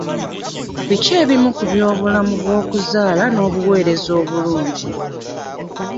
Biki ebimu ku by'obulamu bw'okuzaala n'obuweereza obulungi?